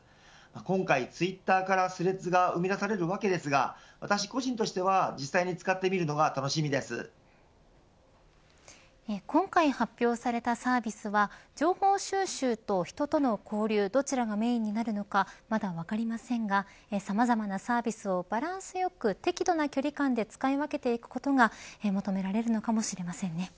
今回ツイッターからスレッズが生み出されるわけですが私個人としては実際に使ってみるのが今回発表されたサービスは情報収集と人との交流どちらがメーンになるのかまだ分かりませんがさまざまなサービスをバランスよく、適度な距離感で使い分けていくことが求められるのかもしれませんね。